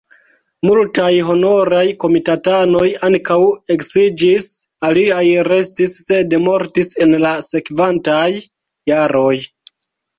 Multaj honoraj komitatanoj ankaŭ eksiĝis, aliaj restis, sed mortis en la sekvantaj jaroj.